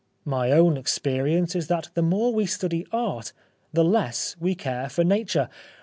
My own experience is that the more we study Art, the less we care for Nature.